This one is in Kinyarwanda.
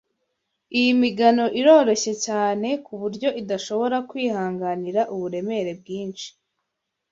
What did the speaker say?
Iyi migano iroroshye cyane kuburyo idashobora kwihanganira uburemere bwinshi.